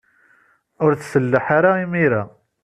Ur tselleḥ ara imir-a.